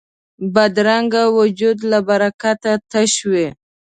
بدرنګه وجود له برکته تش وي